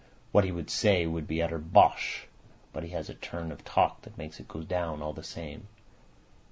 What he would say would be utter bosh, but he has a turn of talk that makes it go down all the same."